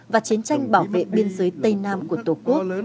và chiến tranh bảo vệ biên giới tây nam của tổ quốc